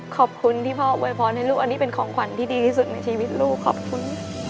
ขอบคุณที่พ่ออวยพรให้ลูกอันนี้เป็นของขวัญที่ดีที่สุดในชีวิตลูกขอบคุณ